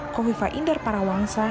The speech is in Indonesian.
kofifa indar parawangsa